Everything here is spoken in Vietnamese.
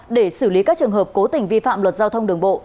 để xử lý các trường hợp cố tình vi phạm luật giao thông đường bộ